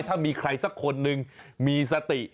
ถ้ามีใครสักคนหนึ่งมีสติ